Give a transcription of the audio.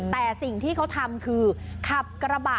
แต่สิ่งที่เขาทำคือขับกระบะ